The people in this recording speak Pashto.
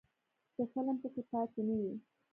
چې فلم پکې پاتې نه وي.